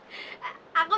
lu udah nyanyikan sama saya